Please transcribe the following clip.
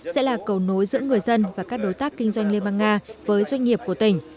sẽ là cầu nối giữa người dân và các đối tác kinh doanh liên bang nga với doanh nghiệp của tỉnh